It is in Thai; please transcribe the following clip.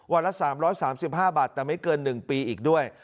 ละ๓๓๕บาทแต่ไม่เกิน๑ปีอีกด้วย